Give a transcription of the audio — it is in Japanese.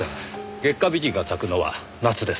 月下美人が咲くのは夏です。